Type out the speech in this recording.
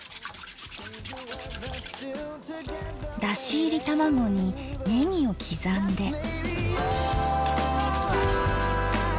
だし入り卵にねぎを刻んで。